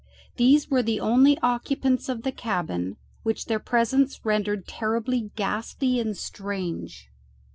These were the only occupants of the cabin, which their presence rendered terribly ghastly and strange.